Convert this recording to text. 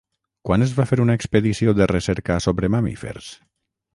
Quan es va fer una expedició de recerca sobre mamífers?